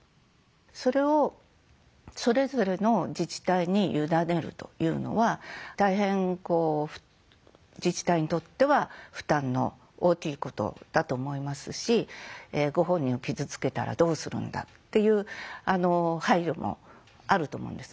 それをそれぞれの自治体に委ねるというのは大変こう自治体にとっては負担の大きいことだと思いますしご本人を傷つけたらどうするんだっていう配慮もあると思うんですね。